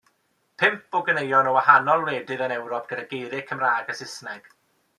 Pump o ganeuon o wahanol wledydd yn Ewrop gyda geiriau Cymraeg a Saesneg.